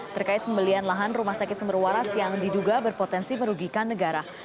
terkait pembelian lahan rumah sakit sumber waras yang diduga berpotensi merugikan negara